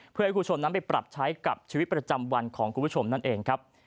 เพื่อให้คุณผู้ชมนั้นไปปรับใช้กับชีวิตประจำวันของคุณผู้ชมนั่นเองครับ